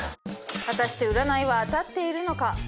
果たして占いは当たっているのか？